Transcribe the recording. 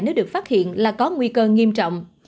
nếu được phát hiện là có nguy cơ nghiêm trọng